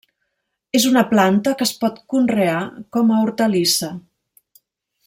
És una planta que es pot conrear com a hortalissa.